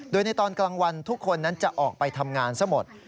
โดยในตอนกลางวันทุกคนนั้นจะออกไปทำงานซะหมด